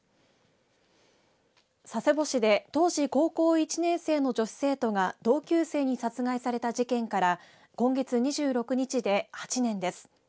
佐世保市で当時、高校１年生の女子生徒が同級生に殺害された事件から今月２６日で８年です。